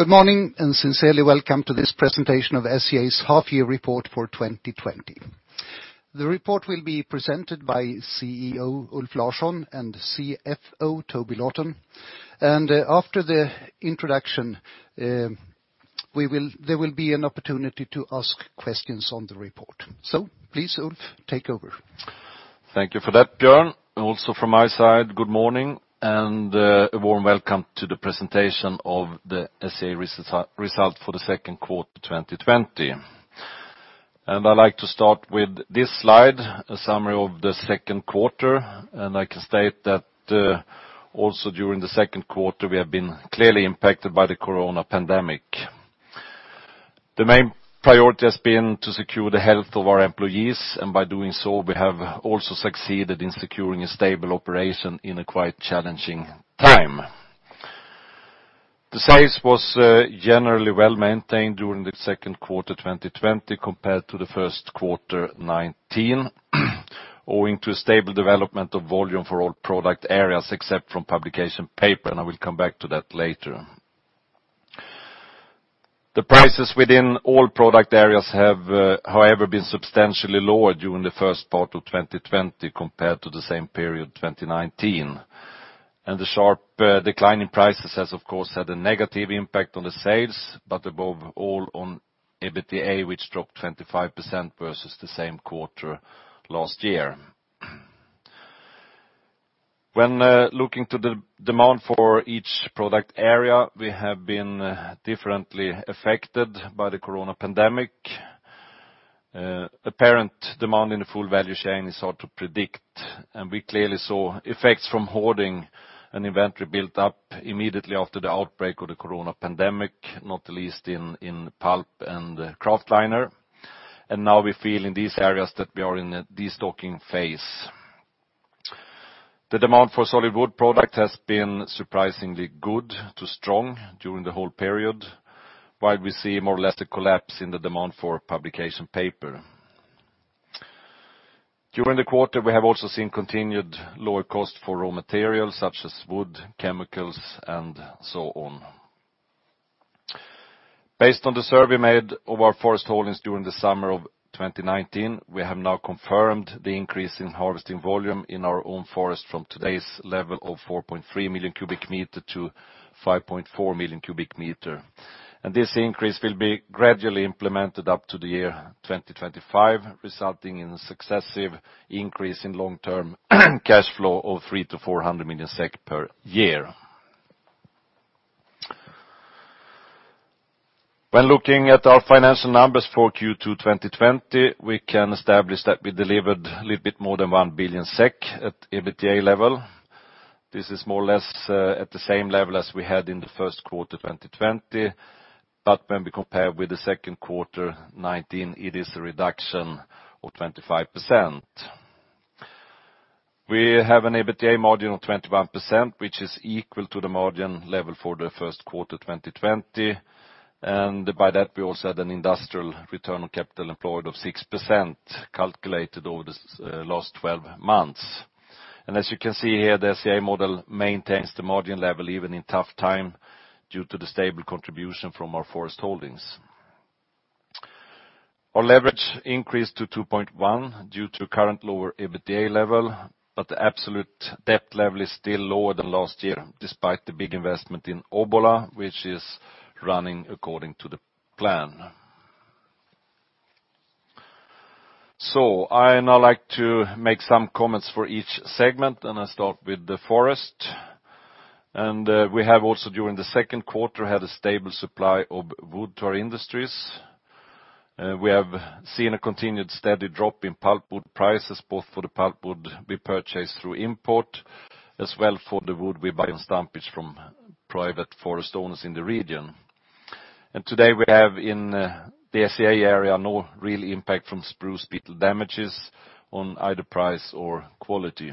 Good morning, sincerely welcome to this presentation of SCA's half year report for 2020. The report will be presented by CEO Ulf Larsson and CFO Toby Lawton. After the introduction, there will be an opportunity to ask questions on the report. Please, Ulf, take over. Thank you for that, Björn. Also from my side, good morning, and a warm welcome to the presentation of the SCA result for the second quarter 2020. I like to start with this slide, a summary of the second quarter, and I can state that, also during the second quarter, we have been clearly impacted by the coronavirus pandemic. The main priority has been to secure the health of our employees, and by doing so, we have also succeeded in securing a stable operation in a quite challenging time. The sales was generally well-maintained during the second quarter 2020 compared to the first quarter 2019, owing to a stable development of volume for all product areas, except from publication paper, and I will come back to that later. The prices within all product areas have, however, been substantially lower during the first part of 2020 compared to the same period 2019. The sharp decline in prices has, of course, had a negative impact on the sales, but above all on EBITDA, which dropped 25% versus the same quarter last year. When looking to the demand for each product area, we have been differently affected by the coronavirus pandemic. Apparent demand in the full value chain is hard to predict, and we clearly saw effects from hoarding and inventory built up immediately after the outbreak of the coronavirus pandemic, not the least in pulp and kraftliner. Now we feel in these areas that we are in a de-stocking phase. The demand for solid wood product has been surprisingly good to strong during the whole period. While we see more or less a collapse in the demand for publication paper. During the quarter, we have also seen continued lower cost for raw materials such as wood, chemicals, and so on. Based on the survey made of our forest holdings during the summer of 2019, we have now confirmed the increase in harvesting volume in our own forest from today's level of 4.3 million cubic meters to 5.4 million cubic meters. This increase will be gradually implemented up to the year 2025, resulting in successive increase in long-term cash flow of 300 million-400 million SEK per year. When looking at our financial numbers for Q2 2020, we can establish that we delivered a little bit more than 1 billion SEK at EBITDA level. This is more or less at the same level as we had in the first quarter 2020. When we compare with the second quarter 2019, it is a reduction of 25%. We have an EBITDA margin of 21%, which is equal to the margin level for the first quarter 2020. By that, we also had an industrial return on capital employed of 6% calculated over the last 12 months. As you can see here, the SCA model maintains the margin level even in tough time due to the stable contribution from our forest holdings. Our leverage increased to 2.1 due to current lower EBITDA level, but the absolute debt level is still lower than last year, despite the big investment in Obbola, which is running according to the plan. I now like to make some comments for each segment, and I start with the forest. We have also, during the second quarter, had a stable supply of wood to our industries. We have seen a continued steady drop in pulpwood prices, both for the pulpwood we purchase through import, as well for the wood we buy on someplace from private forest owners in the region. Today we have in the SCA area, no real impact from spruce beetle damages on either price or quality.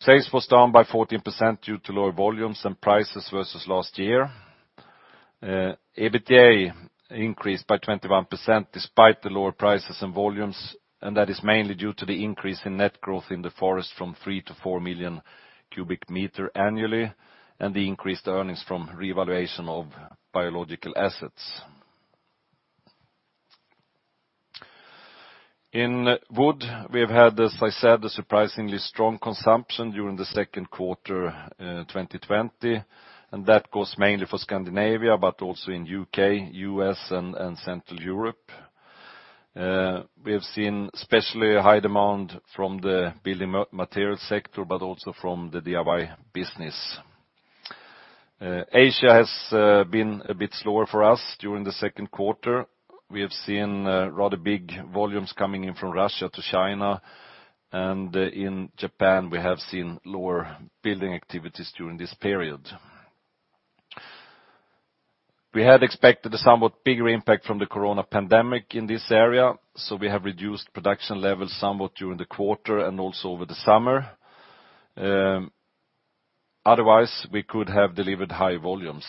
Sales was down by 14% due to lower volumes and prices versus last year. EBITDA increased by 21% despite the lower prices and volumes, and that is mainly due to the increase in net growth in the forest from three to four million cubic meter annually and the increased earnings from revaluation of biological assets. In wood, we've had, as I said, a surprisingly strong consumption during the second quarter 2020, and that goes mainly for Scandinavia, but also in U.K., U.S., and Central Europe. We have seen especially a high demand from the building material sector, but also from the DIY business. Asia has been a bit slower for us during the second quarter. We have seen rather big volumes coming in from Russia to China, and in Japan, we have seen lower building activities during this period. We had expected a somewhat bigger impact from the coronavirus pandemic in this area, so we have reduced production levels somewhat during the quarter and also over the summer. Otherwise, we could have delivered high volumes.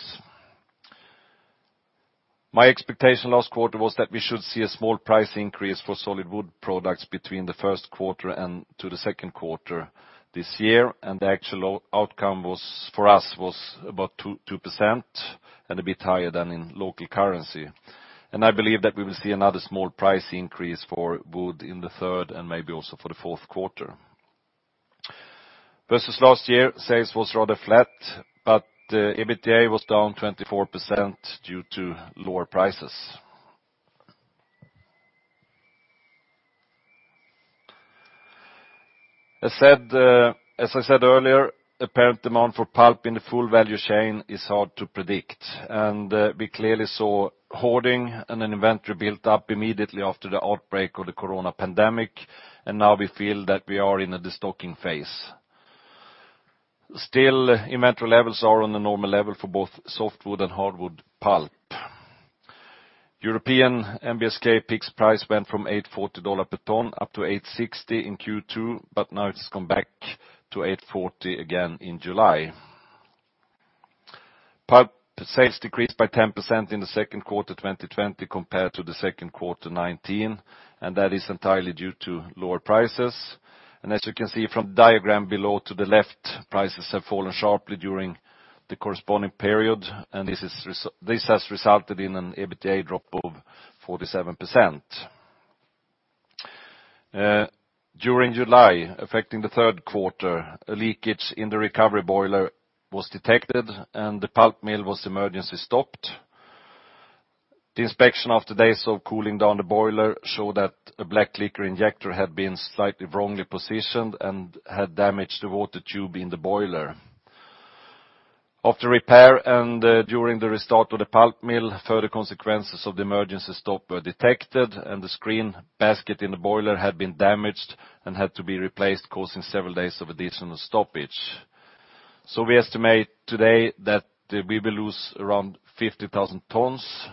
My expectation last quarter was that we should see a small price increase for solid wood products between the first quarter and to the second quarter this year, and the actual outcome for us was about 2%, and a bit higher than in local currency. I believe that we will see another small price increase for wood in the third and maybe also for the fourth quarter. Versus last year, sales was rather flat, but EBITDA was down 24% due to lower prices. As I said earlier, apparent demand for pulp in the full value chain is hard to predict, and we clearly saw hoarding and an inventory built up immediately after the outbreak of the COVID-19 pandemic, and now we feel that we are in a de-stocking phase. Still, inventory levels are on a normal level for both softwood and hardwood pulp. European NBSK peaks price went from $840 per ton up to $860 in Q2, but now it's come back to $840 again in July. Pulp sales decreased by 10% in the second quarter 2020 compared to the second quarter 2019, that is entirely due to lower prices. As you can see from the diagram below to the left, prices have fallen sharply during the corresponding period, and this has resulted in an EBITDA drop of 47%. During July, affecting the third quarter, a leakage in the recovery boiler was detected, and the pulp mill was emergency stopped. The inspection after days of cooling down the boiler showed that a black liquor injector had been slightly wrongly positioned and had damaged the water tube in the boiler. After repair and during the restart of the pulp mill, further consequences of the emergency stop were detected, and the screen basket in the boiler had been damaged and had to be replaced, causing several days of additional stoppage. We estimate today that we will lose around 50,000 tons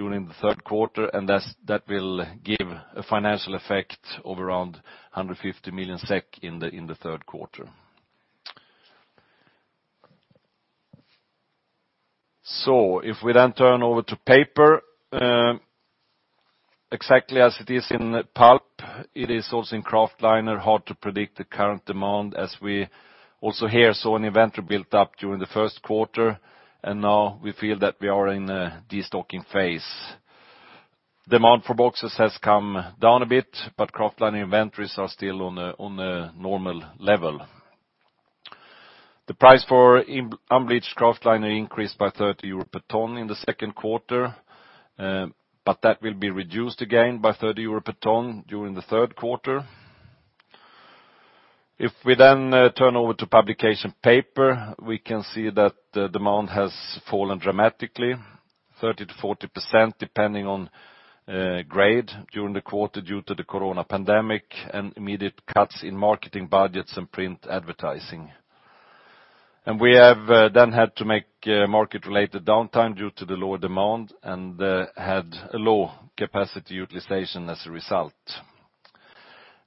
during the third quarter, and that will give a financial effect of around 150 million SEK in the third quarter. If we turn over to paper, exactly as it is in pulp, it is also in kraftliner hard to predict the current demand as we also here saw an inventory build-up during the first quarter, and now we feel that we are in a destocking phase. Demand for boxes has come down a bit, but kraftliner inventories are still on a normal level. The price for unbleached kraftliner increased by 30 euro per ton in the second quarter, but that will be reduced again by 30 euro per ton during the third quarter. If we turn over to publication paper, we can see that the demand has fallen dramatically, 30%-40% depending on grade during the quarter due to the COVID-19 pandemic, and immediate cuts in marketing budgets and print advertising. We have had to make market-related downtime due to the lower demand and had a low capacity utilization as a result.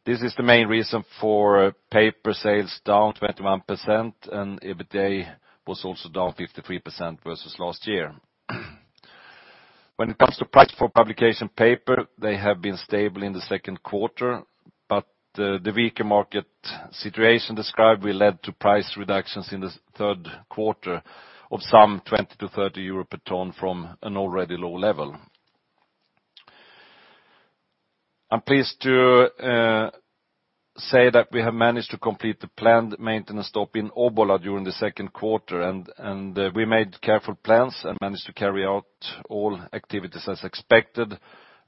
This is the main reason for paper sales down 21%, and EBITDA was also down 53% versus last year. When it comes to price for publication paper, they have been stable in the second quarter, but the weaker market situation described will lead to price reductions in the third quarter of some 20-30 euro per ton from an already low level. I am pleased to say that we have managed to complete the planned maintenance stop in Obbola during the second quarter, and we made careful plans and managed to carry out all activities as expected,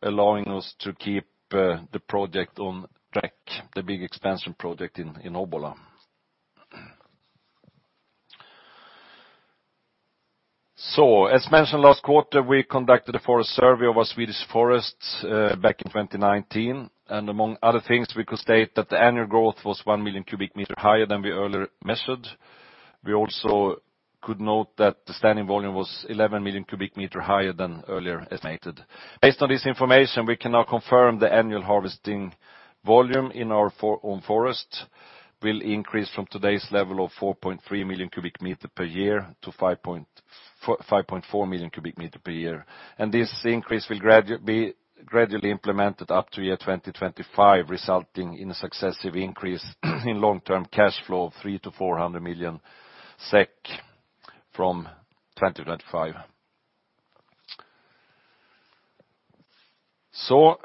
allowing us to keep the project on track, the big expansion project in Obbola. As mentioned last quarter, we conducted a forest survey of our Swedish forests back in 2019. Among other things, we could state that the annual growth was 1 million cubic meters higher than we earlier measured. We also could note that the standing volume was 11 million cubic meters higher than earlier estimated. Based on this information, we can now confirm the annual harvesting volume in our own forest will increase from today's level of 4.3 million cubic meters per year to 5.4 million cubic meters per year. This increase will be gradually implemented up to year 2025, resulting in a successive increase in long-term cash flow of 300 million-400 million SEK from 2025.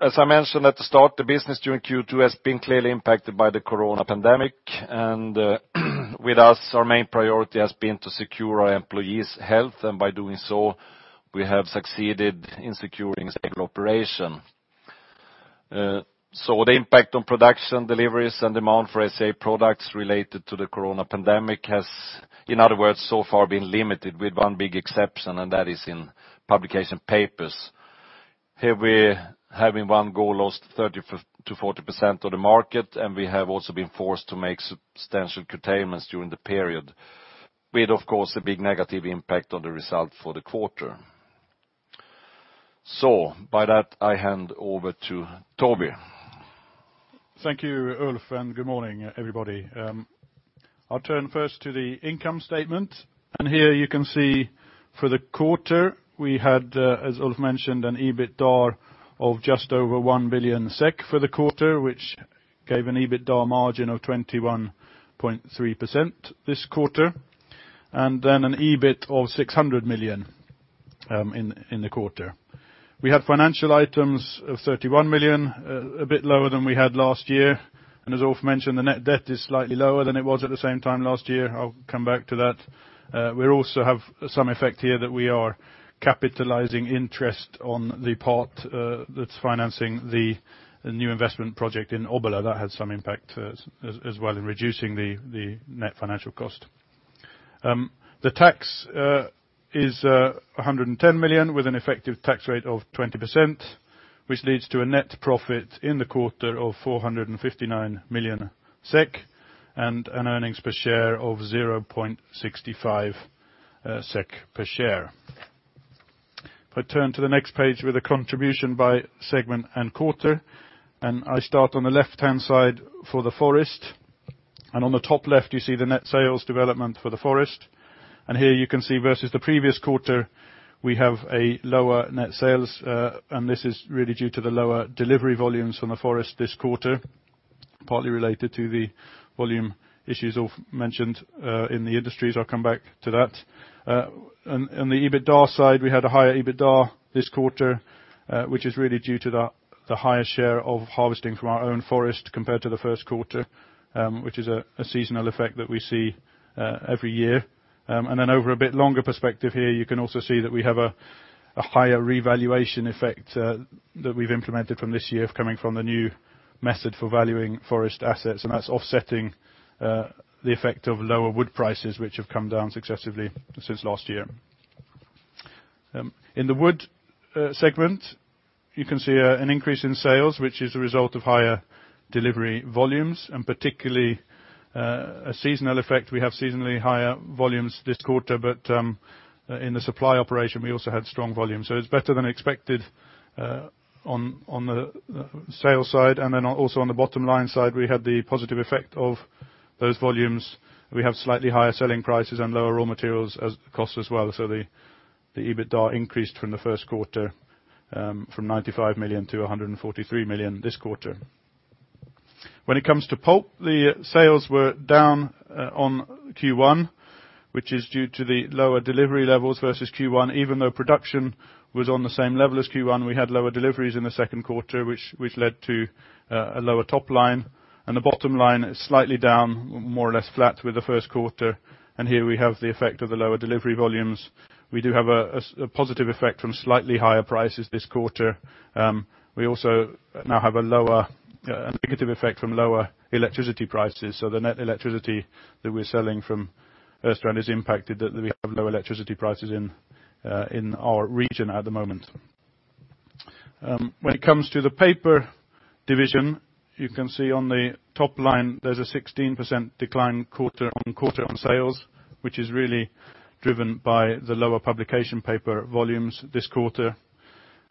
As I mentioned at the start, the business during Q2 has been clearly impacted by the COVID pandemic, and with us, our main priority has been to secure our employees' health, and by doing so, we have succeeded in securing stable operation. The impact on production deliveries and demand for SCA products related to the COVID pandemic has, in other words, so far been limited with one big exception, and that is in publication papers. Here we, having one goal, lost 30%-40% of the market, and we have also been forced to make substantial curtailments during the period. We had, of course, a big negative impact on the result for the quarter. By that, I hand over to Toby. Thank you, Ulf, and good morning, everybody. I'll turn first to the income statement. Here you can see for the quarter we had, as Ulf mentioned, an EBITDA of just over 1 billion SEK for the quarter, which gave an EBITDA margin of 21.3% this quarter, then an EBIT of 600 million in the quarter. We had financial items of 31 million, a bit lower than we had last year. As Ulf mentioned, the net debt is slightly lower than it was at the same time last year. I'll come back to that. We also have some effect here that we are capitalizing interest on the part that's financing the new investment project in Obbola. That had some impact as well in reducing the net financial cost. The tax is 110 million with an effective tax rate of 20%, which leads to a net profit in the quarter of 459 million SEK and an earnings per share of 0.65 SEK per share. If I turn to the next page with a contribution by segment and quarter, I start on the left-hand side for the forest. On the top left, you see the net sales development for the forest. Here you can see versus the previous quarter, we have a lower net sales, and this is really due to the lower delivery volumes from the forest this quarter, partly related to the volume issues Ulf mentioned in the industries. I'll come back to that. On the EBITDA side, we had a higher EBITDA this quarter, which is really due to the higher share of harvesting from our own forest compared to the first quarter, which is a seasonal effect that we see every year. Over a bit longer perspective here, you can also see that we have a higher revaluation effect that we've implemented from this year coming from the new method for valuing forest assets, and that's offsetting the effect of lower wood prices, which have come down successively since last year. In the wood segment, you can see an increase in sales, which is a result of higher delivery volumes, and particularly a seasonal effect. We have seasonally higher volumes this quarter, but in the supply operation, we also had strong volumes. It's better than expected on the sales side. On the bottom line side, we had the positive effect of those volumes. We have slightly higher selling prices and lower raw materials costs as well. The EBITDA increased from the first quarter from 95 million to 143 million this quarter. When it comes to pulp, the sales were down on Q1, which is due to the lower delivery levels versus Q1. Even though production was on the same level as Q1, we had lower deliveries in the second quarter, which led to a lower top line. The bottom line is slightly down, more or less flat with the first quarter. Here we have the effect of the lower delivery volumes. We do have a positive effect from slightly higher prices this quarter. We also now have a negative effect from lower electricity prices. The net electricity that we're selling from Östrand is impacted that we have lower electricity prices in our region at the moment. When it comes to the paper division, you can see on the top line there's a 16% decline quarter-on-quarter on sales, which is really driven by the lower publication paper volumes this quarter.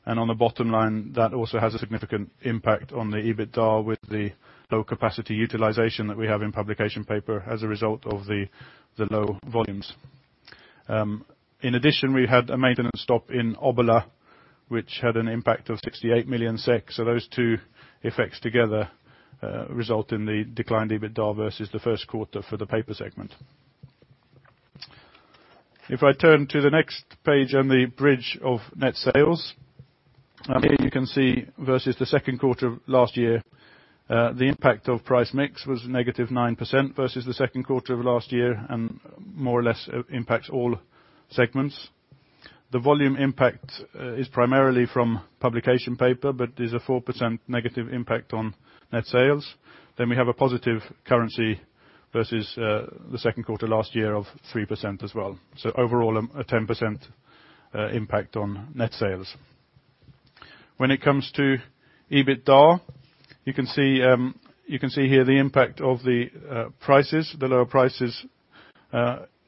On the bottom line, that also has a significant impact on the EBITDA with the low capacity utilization that we have in publication paper as a result of the low volumes. In addition, we had a maintenance stop in Obbola, which had an impact of 68 million. Those two effects together result in the declined EBITDA versus the first quarter for the paper segment. If I turn to the next page on the bridge of net sales, here you can see versus the second quarter of last year, the impact of price mix was negative 9% versus the second quarter of last year, and more or less impacts all segments. The volume impact is primarily from publication paper, but is a 4% negative impact on net sales. We have a positive currency versus the second quarter last year of 3% as well. Overall, a 10% impact on net sales. When it comes to EBITDA, you can see here the impact of the prices, the lower prices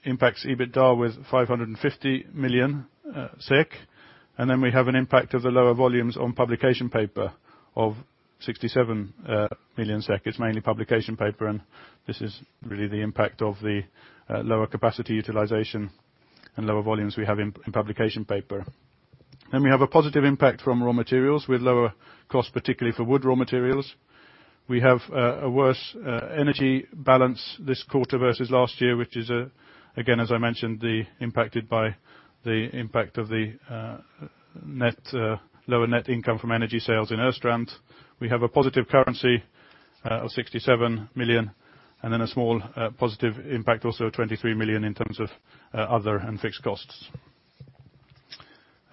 impacts EBITDA with 550 million SEK. We have an impact of the lower volumes on publication paper of 67 million. It's mainly publication paper, and this is really the impact of the lower capacity utilization and lower volumes we have in publication paper. We have a positive impact from raw materials with lower cost, particularly for wood raw materials. We have a worse energy balance this quarter versus last year, which is again, as I mentioned, impacted by the impact of the lower net income from energy sales in Östrand. We have a positive currency of 67 million and then a small positive impact also of 23 million in terms of other and fixed costs.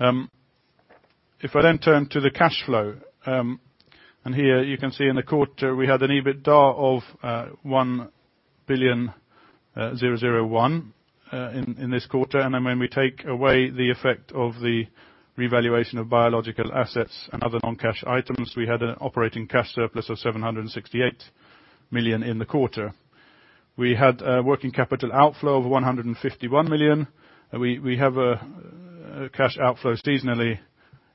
If I then turn to the cash flow, and here you can see in the quarter we had an EBITDA of 1,000,000,001 in this quarter. When we take away the effect of the revaluation of biological assets and other non-cash items, we had an operating cash surplus of 768 million in the quarter. We had a working capital outflow of 151 million. We have a cash outflow seasonally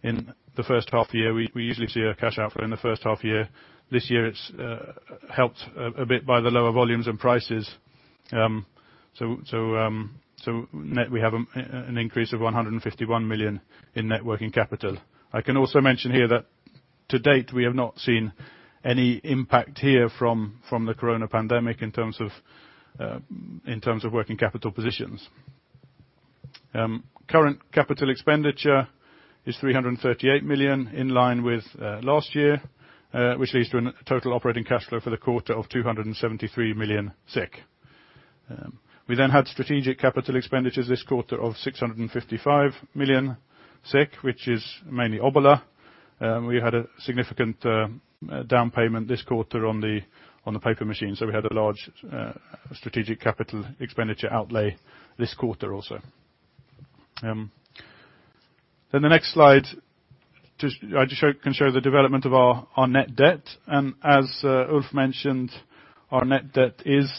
in the first half year. We usually see a cash outflow in the first half year. This year, it's helped a bit by the lower volumes and prices. Net, we have an increase of 151 million in net working capital. I can also mention here that to date, we have not seen any impact here from the coronavirus pandemic in terms of working capital positions. Current capital expenditure is 338 million, in line with last year, which leads to a total operating cash flow for the quarter of 273 million SEK. We had strategic capital expenditures this quarter of 655 million SEK, which is mainly Obbola. We had a significant down payment this quarter on the paper machine, so we had a large strategic capital expenditure outlay this quarter also. The next slide, I can show the development of our net debt. As Ulf mentioned, our net debt is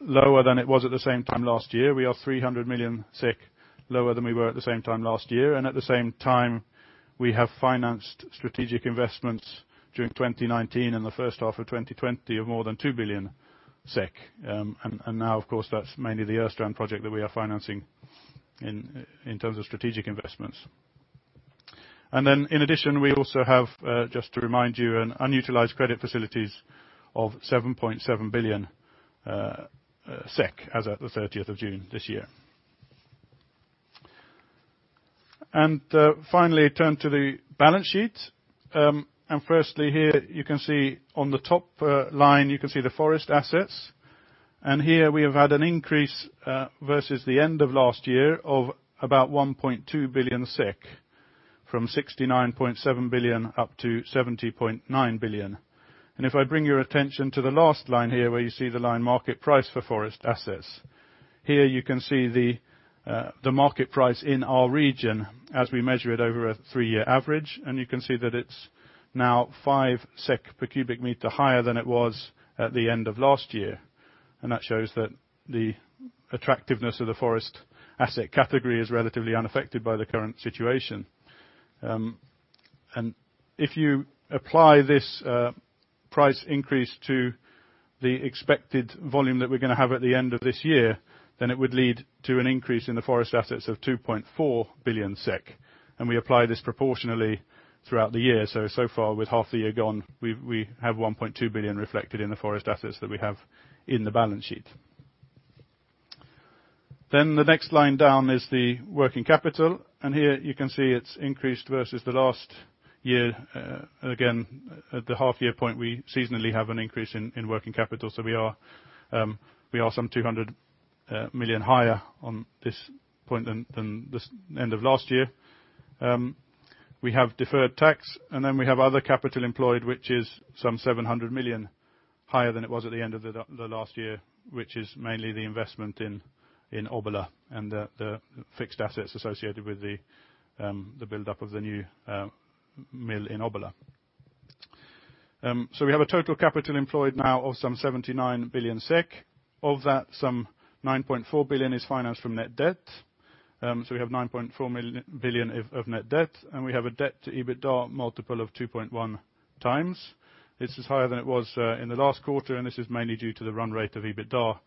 lower than it was at the same time last year. We are 300 million lower than we were at the same time last year. At the same time, we have financed strategic investments during 2019 and the first half of 2020 of more than 2 billion SEK. Now, of course, that's mainly the Östrand project that we are financing in terms of strategic investments. In addition, we also have, just to remind you, an unutilized credit facilities of 7.7 billion SEK as at the 30th of June this year. Finally, turn to the balance sheet. Firstly, here you can see on the top line, you can see the forest assets. Here we have had an increase versus the end of last year of about 1.2 billion, from 69.7 billion up to 70.9 billion. If I bring your attention to the last line here where you see the line market price for forest assets. Here you can see the market price in our region as we measure it over a three-year average, and you can see that it's now five SEK per cubic meter higher than it was at the end of last year. That shows that the attractiveness of the forest asset category is relatively unaffected by the current situation. If you apply this price increase to the expected volume that we're going to have at the end of this year, then it would lead to an increase in the forest assets of 2.4 billion SEK. We apply this proportionally throughout the year. So far with half the year gone, we have 1.2 billion reflected in the forest assets that we have in the balance sheet. The next line down is the working capital, and here you can see it's increased versus the last year. Again, at the half year point, we seasonally have an increase in working capital. We are some 200 million higher on this point than the end of last year. We have deferred tax. We have other capital employed, which is some 700 million higher than it was at the end of the last year, which is mainly the investment in Obbola and the fixed assets associated with the build-up of the new mill in Obbola. We have a total capital employed now of some 79 billion SEK. Of that, some 9.4 billion is financed from net debt. We have 9.4 billion of net debt, and we have a debt to EBITDA multiple of 2.1x. This is higher than it was in the last quarter, and this is mainly due to the run rate of EBITDA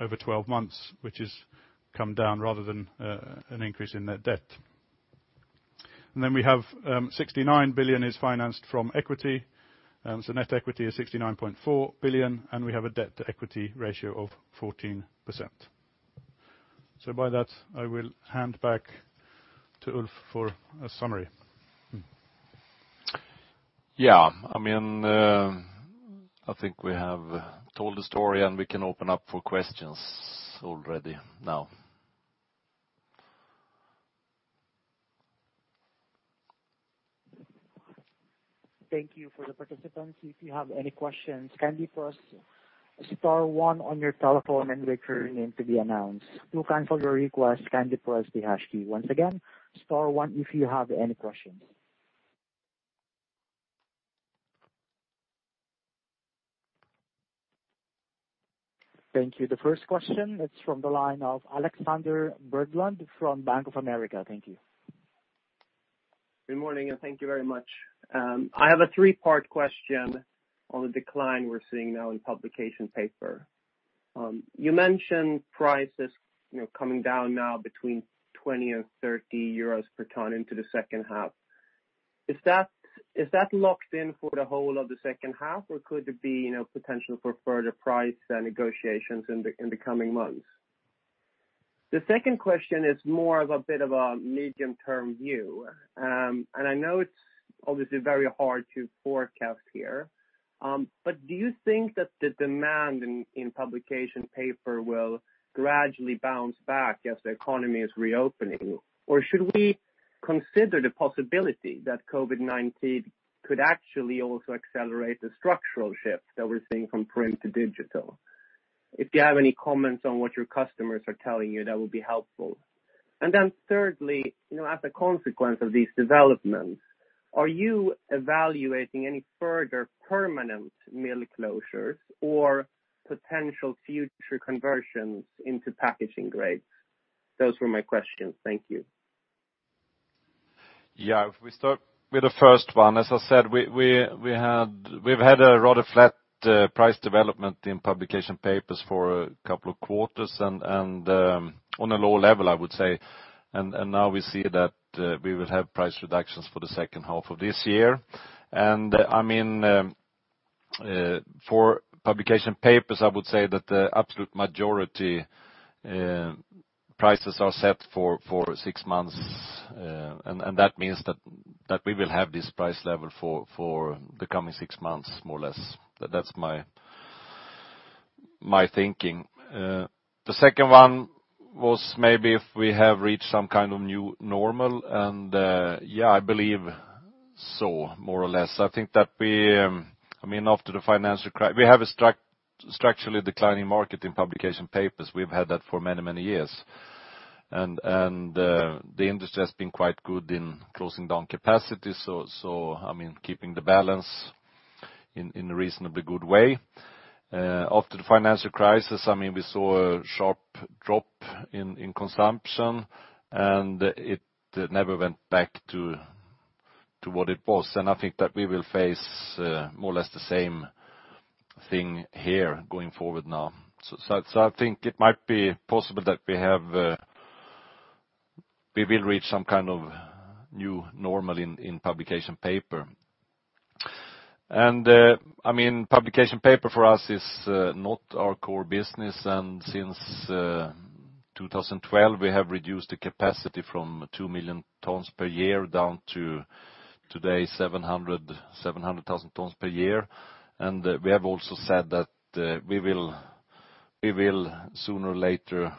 over 12 months, which has come down rather than an increase in net debt. We have 69 billion is financed from equity. Net equity is 69.4 billion, and we have a debt-to-equity ratio of 14%. By that, I will hand back to Ulf for a summary. Yeah. I think we have told the story, and we can open up for questions already now. Thank you for the participants. If you have any questions, kindly press star one on your telephone and wait for your name to be announced. To cancel your request, kindly press the hash key. Once again, star one if you have any questions. Thank you. The first question is from the line of Alexander Berglund from Bank of America. Thank you. Good morning. Thank you very much. I have a three-part question on the decline we're seeing now in publication paper. You mentioned prices coming down now between 20 and 30 euros per ton into the second half. Is that locked in for the whole of the second half, or could there be potential for further price negotiations in the coming months? The second question is more of a bit of a medium-term view. I know it's obviously very hard to forecast here. Do you think that the demand in publication paper will gradually bounce back as the economy is reopening? Should we consider the possibility that COVID-19 could actually also accelerate the structural shift that we're seeing from print to digital? If you have any comments on what your customers are telling you, that would be helpful. Thirdly, as a consequence of these developments, are you evaluating any further permanent mill closures or potential future conversions into packaging grades? Those were my questions. Thank you. Yeah. If we start with the first one, as I said, we've had a rather flat price development in publication papers for a couple of quarters, and on a low level, I would say. Now we see that we will have price reductions for the second half of this year. For publication papers, I would say that the absolute majority prices are set for six months, and that means that we will have this price level for the coming six months, more or less. That's my thinking. The second one was maybe if we have reached some kind of new normal, and yeah, I believe so, more or less. We have a structurally declining market in publication papers. We've had that for many years. The industry has been quite good in closing down capacity, so keeping the balance in a reasonably good way. After the financial crisis, we saw a sharp drop in consumption, and it never went back to what it was. I think that we will face more or less the same thing here, going forward now. I think it might be possible that we will reach some kind of new normal in publication paper. Publication paper for us is not our core business, and since 2012, we have reduced the capacity from 2 million tons per year down to today, 700,000 tons per year. We have also said that we will sooner or later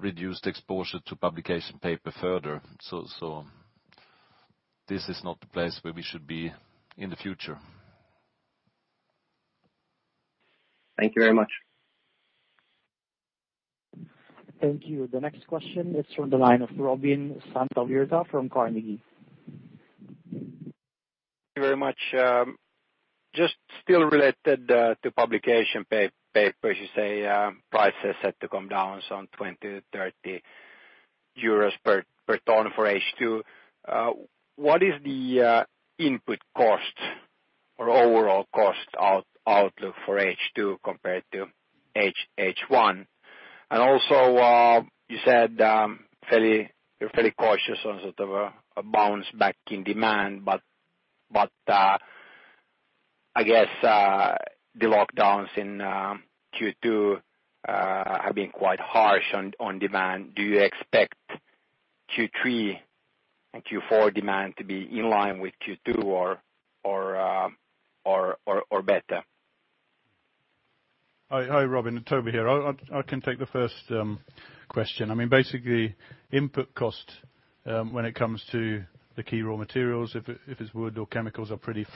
reduce the exposure to publication paper further. This is not the place where we should be in the future. Thank you very much. Thank you. The next question is from the line of Robin Santavirta from Carnegie. Thank you very much. Just still related to publication paper, as you say, prices set to come down some 20-30 euros per ton for H2. What is the input cost or overall cost outlook for H2 compared to H1? Also, you said you're fairly cautious on sort of a bounce back in demand, but, I guess, the lockdowns in Q2 have been quite harsh on demand. Do you expect Q3 and Q4 demand to be in line with Q2 or better? Hi, Robin. Toby here. I can take the first question. Input cost when it comes to the key raw materials, if it's wood or chemicals, have been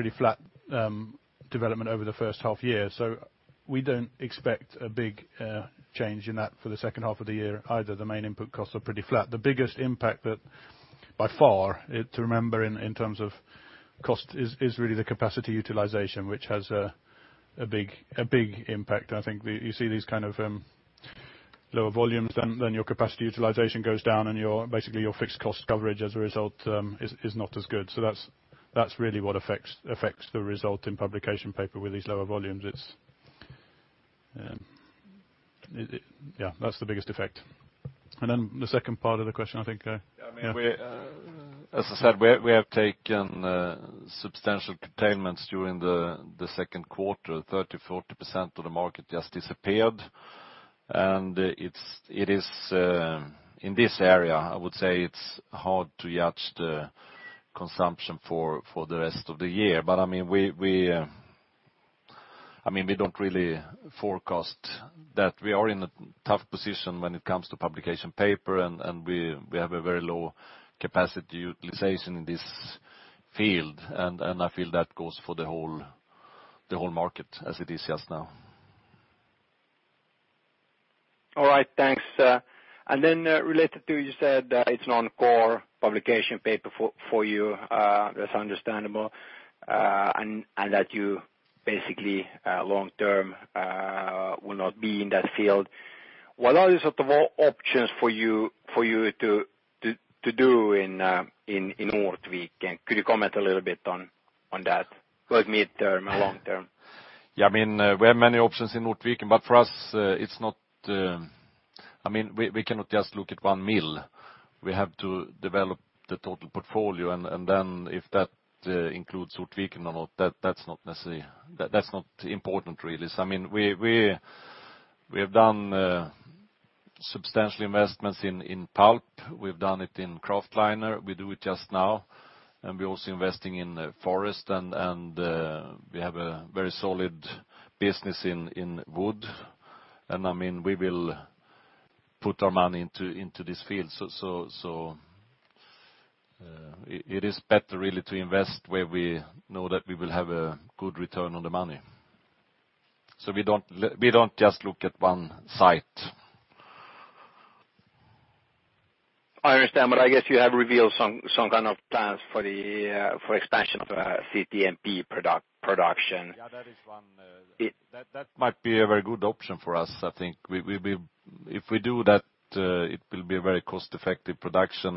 pretty flat development over the first half year. We don't expect a big change in that for the second half of the year either. The main input costs are pretty flat. The biggest impact by far, to remember in terms of cost, is really the capacity utilization, which has a big impact. I think you see these kind of lower volumes, your capacity utilization goes down and basically your fixed cost coverage as a result is not as good. That's really what affects the result in publication paper with these lower volumes. Yeah, that's the biggest effect. The second part of the question, I think, yeah. As I said, we have taken substantial containments during the second quarter, 30%, 40% of the market just disappeared. In this area, I would say it's hard to judge the consumption for the rest of the year. We don't really forecast that. We are in a tough position when it comes to publication paper, and we have a very low capacity utilization in this field. I feel that goes for the whole market as it is just now. All right. Thanks. Then related to you said that it's non-core publication paper for you, that's understandable, and that you basically long term will not be in that field. What are the sort of options for you to do in Ortviken? Could you comment a little bit on that? Both midterm and long term. We have many options in Ortviken, but for us, we cannot just look at one mill. We have to develop the total portfolio, if that includes Ortviken or not, that's not important, really. We have done substantial investments in pulp. We've done it in kraftliner. We do it just now. We're also investing in forest and we have a very solid business in wood. It is better really to invest where we know that we will have a good return on the money. We don't just look at one site. I understand, I guess you have revealed some kind of plans for expansion of CTMP production. Yeah, that is one. That might be a very good option for us. I think if we do that, it will be a very cost-effective production.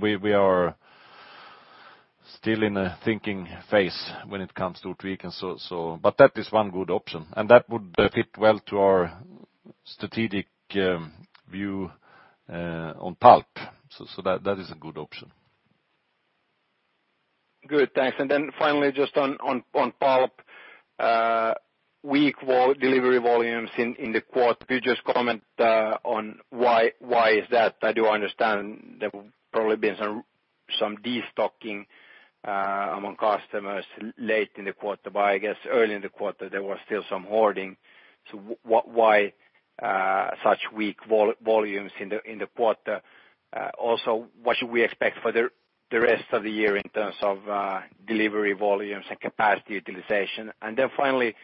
We are still in a thinking phase when it comes to Ortviken. That is one good option, and that would fit well to our strategic view on pulp. That is a good option. Good, thanks. Finally, just on pulp, weak delivery volumes in the quarter. Could you just comment on why is that? I do understand there will probably be some de-stocking among customers late in the quarter. I guess early in the quarter, there was still some hoarding. Why such weak volumes in the quarter? Also, what should we expect for the rest of the year in terms of delivery volumes and capacity utilization? Finally,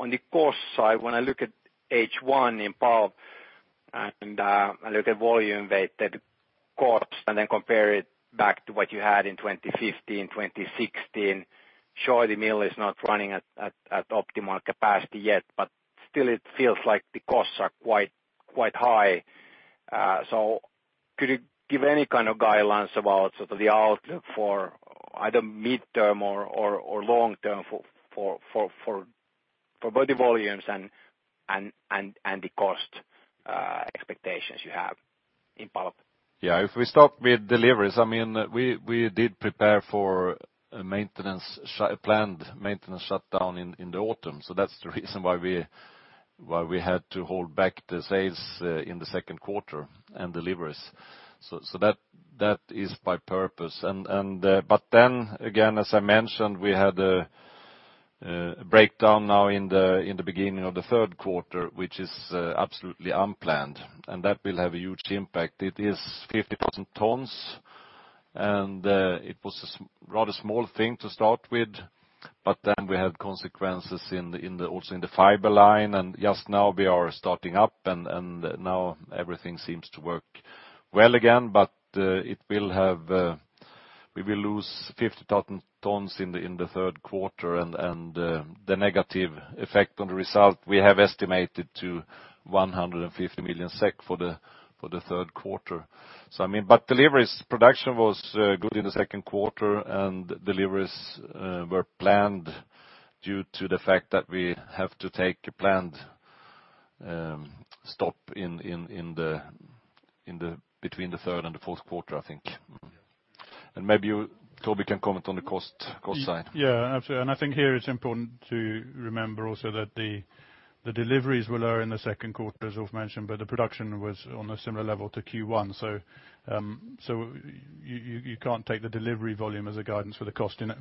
on the cost side, when I look at H1 in pulp and I look at volume weighted cost and then compare it back to what you had in 2015, 2016, sure, the mill is not running at optimal capacity yet, but still it feels like the costs are quite high. Could you give any kind of guidelines about the outlook for either mid-term or long term for both the volumes and the cost expectations you have in pulp? Yeah. If we start with deliveries, we did prepare for a planned maintenance shutdown in the autumn. That's the reason why we had to hold back the sales in the second quarter and deliveries. That is by purpose. Again, as I mentioned, we had a breakdown now in the beginning of the third quarter, which is absolutely unplanned, and that will have a huge impact. It is 50,000 tons, and it was a rather small thing to start with, but then we had consequences also in the fiber line, and just now we are starting up, and now everything seems to work well again. We will lose 50,000 tons in the third quarter, and the negative effect on the result, we have estimated to 150 million SEK for the third quarter. Deliveries production was good in the second quarter, and deliveries were planned due to the fact that we have to take a planned stop between the third and the fourth quarter, I think. Yes. Maybe Toby can comment on the cost side. Yeah, absolutely. I think here it's important to remember also that the deliveries were lower in the second quarter, as Ulf mentioned, but the production was on a similar level to Q1. You can't take the delivery volume as a guidance for the cost in it.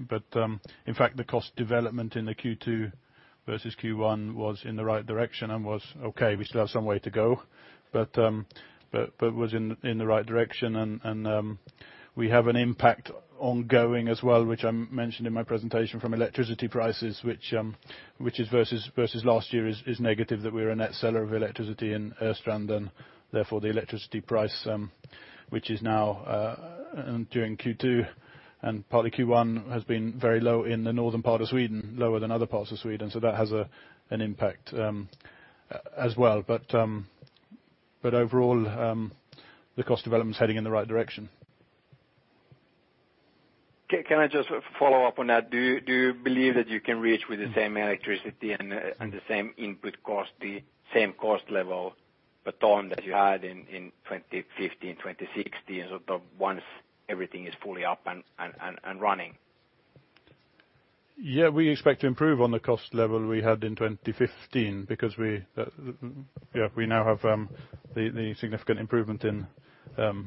In fact, the cost development in the Q2 versus Q1 was in the right direction and was okay. We still have some way to go, but was in the right direction. We have an impact ongoing as well, which I mentioned in my presentation from electricity prices, which versus last year is negative, that we were a net seller of electricity in Östrand, and therefore the electricity price which is now during Q2 and partly Q1, has been very low in the northern part of Sweden, lower than other parts of Sweden. That has an impact as well. Overall, the cost development is heading in the right direction. Can I just follow up on that? Do you believe that you can reach with the same electricity and the same input cost, the same cost level per ton that you had in 2015, 2016, sort of once everything is fully up and running? We expect to improve on the cost level we had in 2015 because we now have the significant improvement from the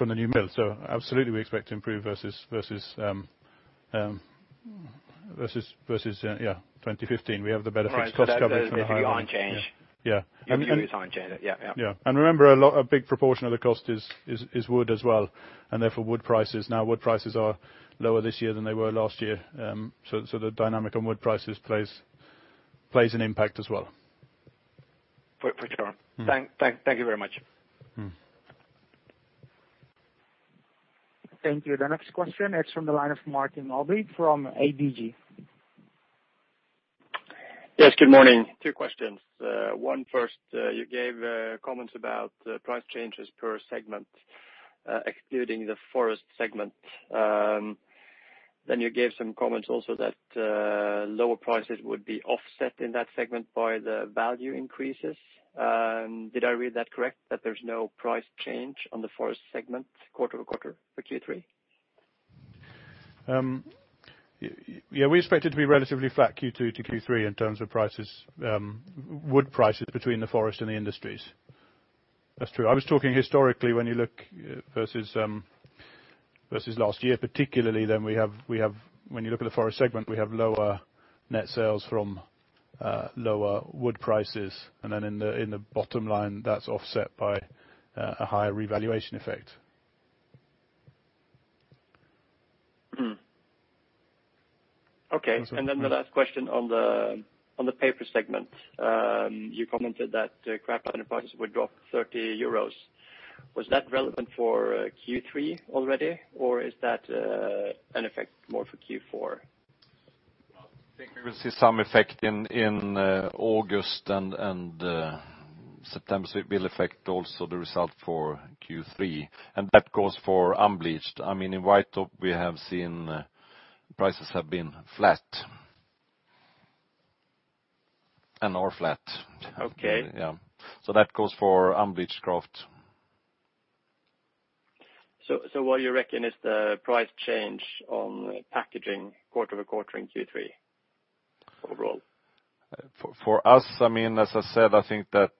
new mill. Absolutely, we expect to improve versus 2015. We have the benefits. Right. That is unchanged. Yeah. You mean it's unchanged. Yeah. Yeah. Remember, a big proportion of the cost is wood as well, and therefore wood prices. Wood prices are lower this year than they were last year. The dynamic on wood prices plays an impact as well. For sure. Thank you very much. Thank you. The next question is from the line of Martin Melbye from ABG. Yes, good morning. Two questions. One first, you gave comments about price changes per segment excluding the forest segment. You gave some comments also that lower prices would be offset in that segment by the value increases. Did I read that correct, that there's no price change on the forest segment quarter-over-quarter for Q3? Yeah, we expect it to be relatively flat Q2 to Q3 in terms of wood prices between the forest and the industries. That's true. I was talking historically, when you look versus last year particularly, then when you look at the forest segment, we have lower net sales from lower wood prices. Then in the bottom line, that's offset by a higher revaluation effect. Okay. Then the last question on the paper segment. You commented that kraftliner prices would drop 30 euros. Was that relevant for Q3 already, or is that an effect more for Q4? I think we will see some effect in August and September. It will affect also the result for Q3. That goes for unbleached. In White Top, we have seen prices have been flat and are flat. Okay. Yeah. That goes for unbleached kraft. What you reckon is the price change on packaging quarter-over-quarter in Q3 overall? For us, as I said, I think that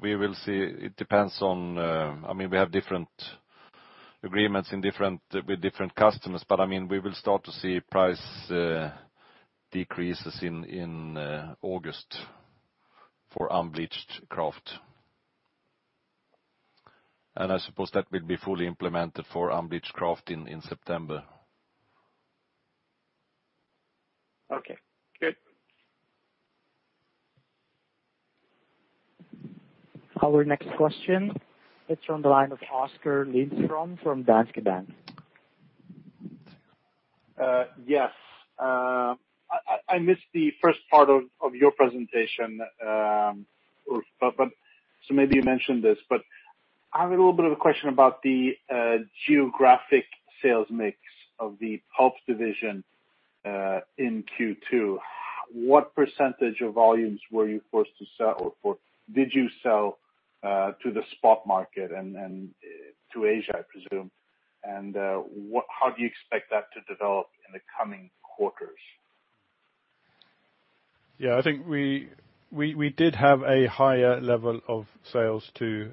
we will see. We have different agreements with different customers, but we will start to see price decreases in August for unbleached kraft. I suppose that will be fully implemented for unbleached kraft in September. Okay, good. Our next question is from the line of Oskar Lindström from Danske Bank. Yes. I missed the first part of your presentation, Ulf. Maybe you mentioned this, but I have a little bit of a question about the geographic sales mix of the pulp division in Q2. What percentage of volumes were you forced to sell, or did you sell to the spot market and to Asia, I presume? How do you expect that to develop in the coming quarters? Yeah, I think we did have a higher level of sales to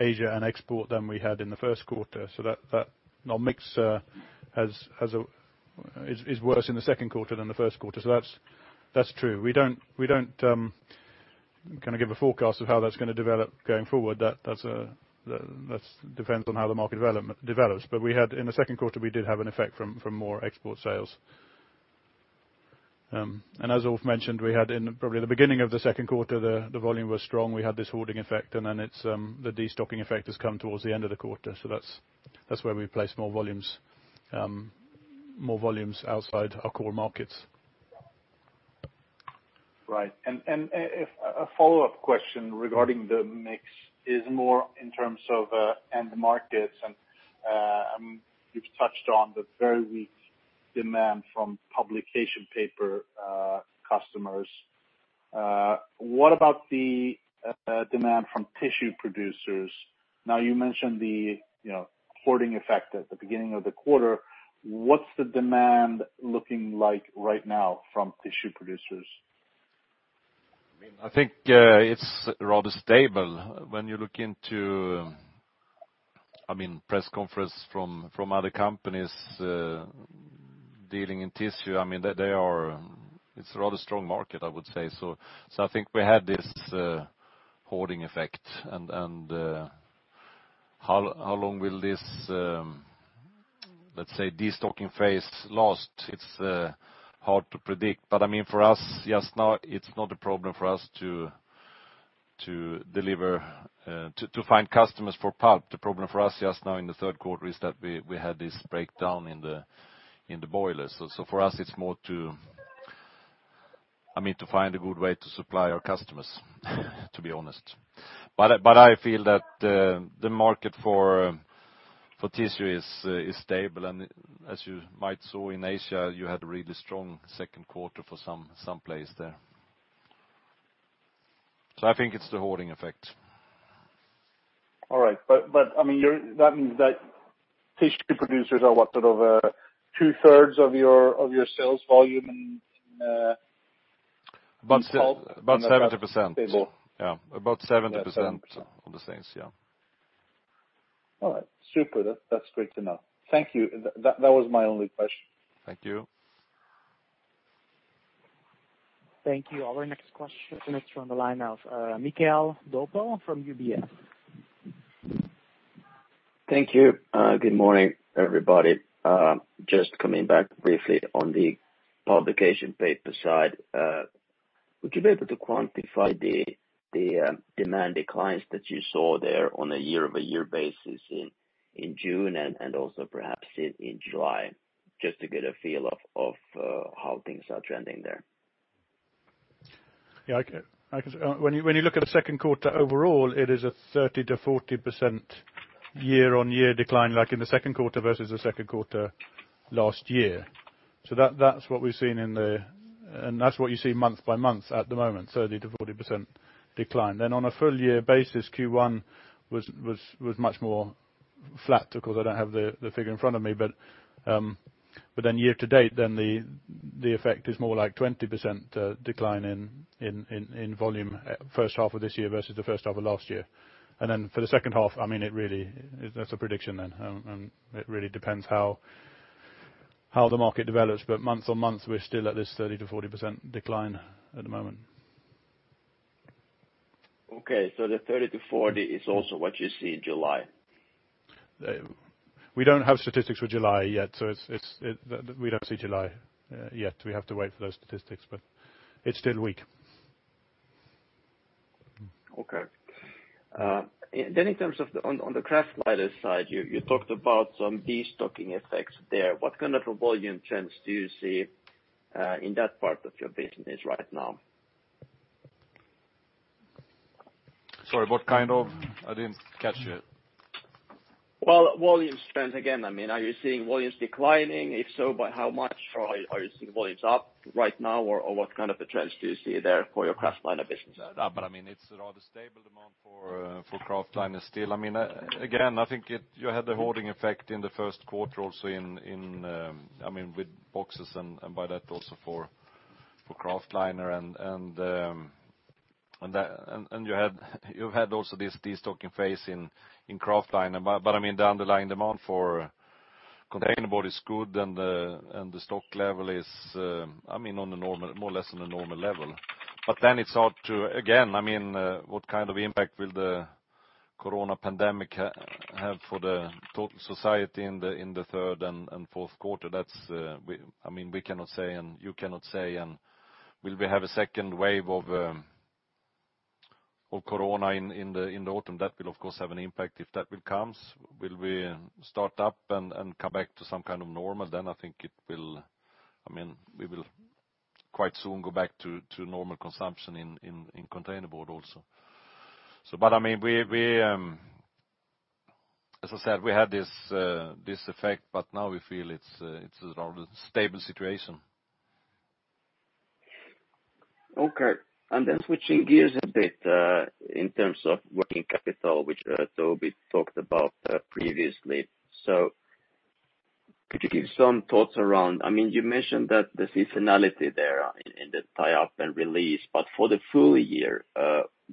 Asia and export than we had in the first quarter. That mix is worse in the second quarter than the first quarter. That's true. We don't give a forecast of how that's going to develop going forward. That depends on how the market develops. In the second quarter, we did have an effect from more export sales. As Ulf mentioned, we had in probably the beginning of the second quarter, the volume was strong. We had this hoarding effect, and then the de-stocking effect has come towards the end of the quarter. That's where we place more volumes outside our core markets. Right. A follow-up question regarding the mix is more in terms of end markets, and you've touched on the very weak demand from publication paper customers. What about the demand from tissue producers? Now, you mentioned the hoarding effect at the beginning of the quarter. What's the demand looking like right now from tissue producers? I think it's rather stable. When you look into press conference from other companies dealing in tissue, it's a rather strong market, I would say. I think we had this hoarding effect. How long will this, let's say, de-stocking phase last? It's hard to predict. For us, just now, it's not a problem for us to find customers for pulp. The problem for us just now in the third quarter is that we had this breakdown in the boiler. For us, it's more to find a good way to supply our customers, to be honest. I feel that the market for tissue is stable. As you might saw in Asia, you had a really strong second quarter for some place there. I think it's the hoarding effect. All right. That means that tissue producers are what, sort of two-thirds of your sales volume in? About 70%. pulp? Yeah, about 70% of the sales. All right, super. That's great to know. Thank you. That was my only question. Thank you. Thank you. Our next question is from the line of Michele Dopico from UBS. Thank you. Good morning, everybody. Just coming back briefly on the publication paper side. Would you be able to quantify the demand declines that you saw there on a year-over-year basis in June and also perhaps in July, just to get a feel of how things are trending there? Yeah. When you look at the second quarter overall, it is a 30%-40% year-on-year decline, like in the second quarter versus the second quarter last year. That's what we have seen in there, and that's what you see month by month at the moment, 30%-40% decline. On a full year basis, Q1 was much more flat. Of course, I don't have the figure in front of me. Year to date, then the effect is more like 20% decline in volume first half of this year versus the first half of last year. For the second half, that's a prediction then. It really depends how How the market develops, but month-on-month, we're still at this 30%-40% decline at the moment. Okay. The 30% to 40% is also what you see in July? We don't have statistics for July yet. We don't see July yet. We have to wait for those statistics. It's still weak. Okay. In terms of on the kraftliner side, you talked about some de-stocking effects there. What kind of a volume trends do you see in that part of your business right now? Sorry, what kind of? I didn't catch it. Well, volume trends again. Are you seeing volumes declining? If so, by how much? Are you seeing volumes up right now? What kind of a trends do you see there for your kraftliner business? It's a rather stable demand for kraftliner still. Again, I think you had the hoarding effect in the first quarter also with boxes, and by that, also for kraftliner. You've had also this de-stocking phase in kraftliner. The underlying demand for containerboard is good and the stock level is more or less on a normal level. It's hard to, again, what kind of impact will the coronavirus pandemic have for the total society in the third and fourth quarter? We cannot say, and you cannot say. Will we have a second wave of coronavirus in the autumn? That will, of course, have an impact, if that will come. Will we start up and come back to some kind of normal? I think we will quite soon go back to normal consumption in containerboard also. As I said, we had this effect, but now we feel it's a rather stable situation. Okay. Switching gears a bit in terms of working capital, which Toby talked about previously. Could you give some thoughts around? You mentioned the seasonality there in the tie-up and release, but for the full year,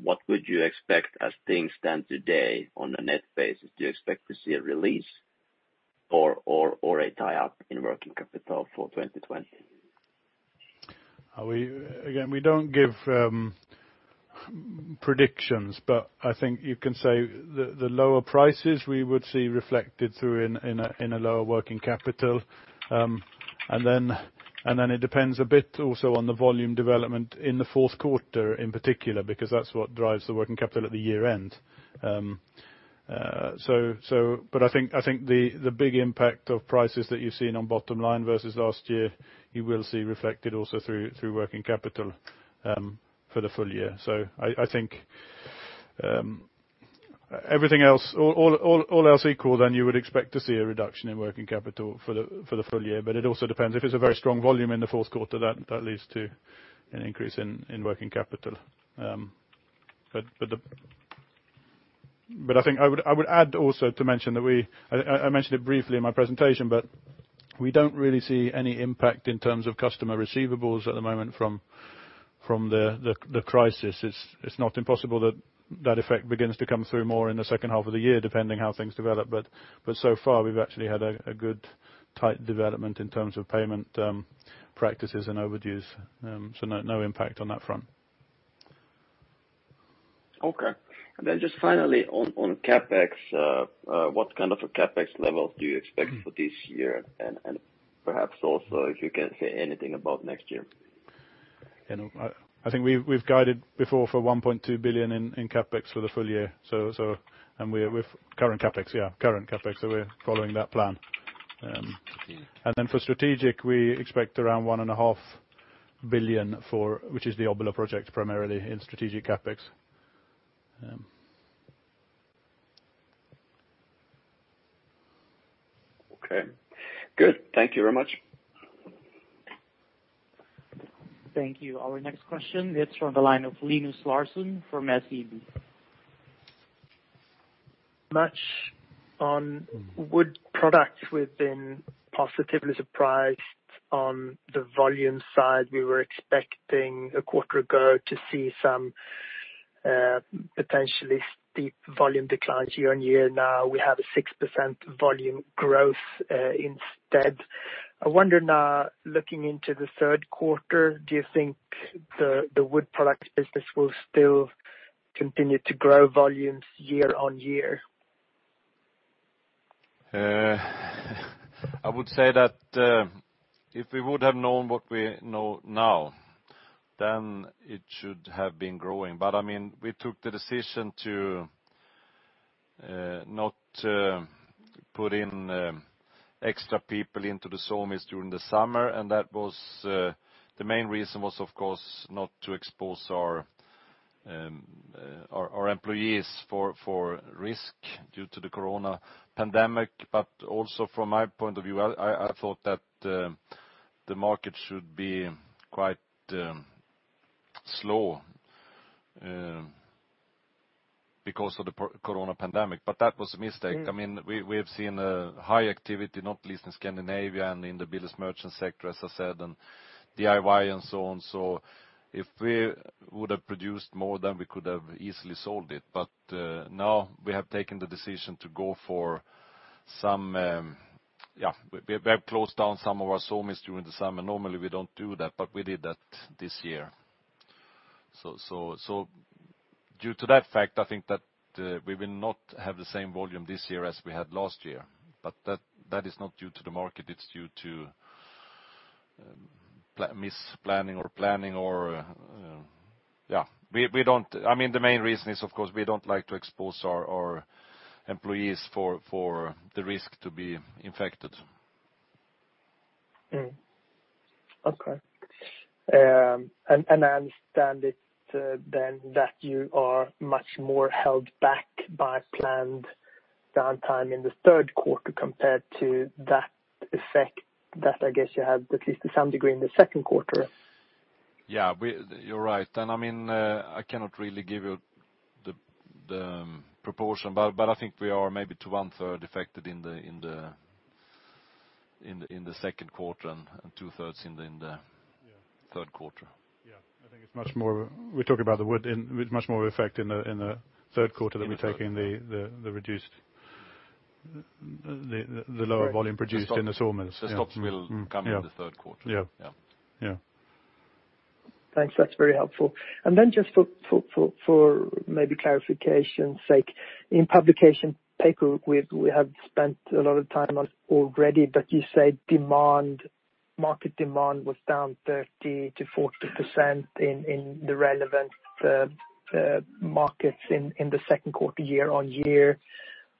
what would you expect as things stand today on a net basis? Do you expect to see a release or a tie-up in working capital for 2020? We don't give predictions. I think you can say the lower prices we would see reflected through in a lower working capital. It depends a bit also on the volume development in the fourth quarter, in particular, because that's what drives the working capital at the year-end. I think the big impact of prices that you've seen on bottom line versus last year, you will see reflected also through working capital for the full year. I think all else equal, you would expect to see a reduction in working capital for the full year. It also depends, if it's a very strong volume in the fourth quarter, that leads to an increase in working capital. I think I would add also to mention that I mentioned it briefly in my presentation, we don't really see any impact in terms of customer receivables at the moment from the crisis. It's not impossible that effect begins to come through more in the second half of the year, depending how things develop. So far, we've actually had a good, tight development in terms of payment practices and overdues. No impact on that front. Okay. Just finally on CapEx, what kind of a CapEx level do you expect for this year? Perhaps also if you can say anything about next year? I think we've guided before for 1.2 billion in CapEx for the full year. With current CapEx, yeah. Current CapEx, we're following that plan. Yeah. For strategic, we expect around 1.5 billion, which is the Obbola project primarily in strategic CapEx. Okay. Good. Thank you very much. Thank you. Our next question, it's on the line of Linus Larsson from SEB. Much on wood products, we've been positively surprised on the volume side. We were expecting a quarter ago to see some potentially steep volume declines year-on-year. Now we have a 6% volume growth instead. I wonder now, looking into the third quarter, do you think the wood product business will still continue to grow volumes year-on-year? I would say that if we would have known what we know now, then it should have been growing. We took the decision to not put in extra people into the sawmills during the summer. The main reason was, of course, not to expose our employees for risk due to the coronavirus pandemic. Also from my point of view, I thought that the market should be quite slow because of the coronavirus pandemic. That was a mistake. We have seen a high activity, not least in Scandinavia and in the builders merchant sector, as I said, and DIY and so on. If we would have produced more, then we could have easily sold it. Now we have taken the decision, we have closed down some of our sawmills during the summer. Normally we don't do that, but we did that this year. Due to that fact, I think that we will not have the same volume this year as we had last year, but that is not due to the market, it's due to misplanning or planning or I mean, the main reason is, of course, we don't like to expose our employees for the risk to be infected. Okay. I understand it that you are much more held back by planned downtime in the third quarter compared to that effect that I guess you had at least to some degree in the second quarter. Yeah. You're right. I mean, I cannot really give you the proportion, but I think we are maybe to one third affected in the second quarter and two thirds in the third quarter. Yeah. I think we're talking about the wood, much more effect in the third quarter than we took in the lower volume produced in the sawmills. The stops will come in the third quarter. Yeah. Yeah. Thanks. That's very helpful. Just for maybe clarification's sake, in publication paper, we have spent a lot of time on already, but you say market demand was down 30%-40% in the relevant markets in the second quarter year-on-year,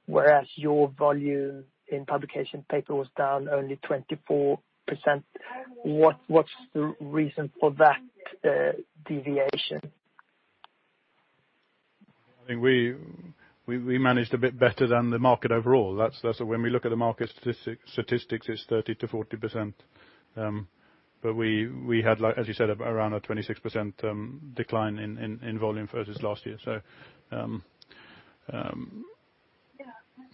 whereas your volume in publication paper was down only 24%. What's the reason for that deviation? I think we managed a bit better than the market overall. That's when we look at the market statistics, it's 30%-40%. We had, as you said, around a 26% decline in volume versus last year.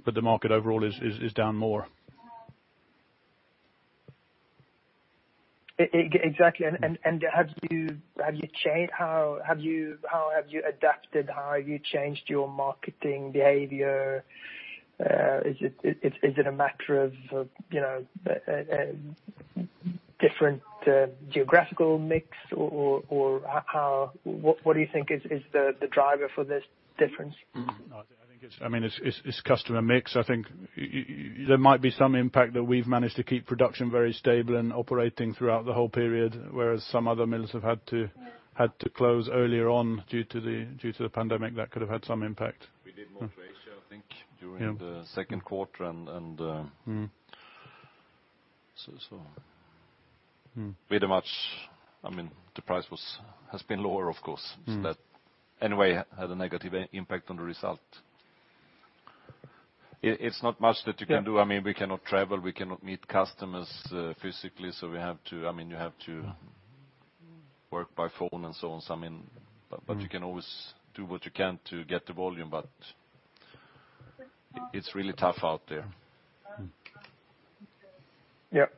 The market overall is down more. Exactly. How have you adapted? How have you changed your marketing behavior? Is it a matter of different geographical mix, or what do you think is the driver for this difference? No, I think it's customer mix. I think there might be some impact that we've managed to keep production very stable and operating throughout the whole period, whereas some other mills have had to close earlier on due to the pandemic. That could have had some impact. We did more to Asia, I think, during the second quarter. The price has been lower, of course. That, anyway, had a negative impact on the result. It is not much that you can do. I mean, we cannot travel, we cannot meet customers physically, so we have to work by phone and so on. You can always do what you can to get the volume, but it is really tough out there. Yep.